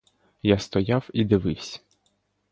Я стояв і дививсь.